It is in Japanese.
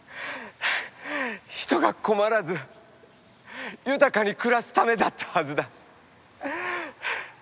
人が困らず豊かに暮らすためだったはずだ。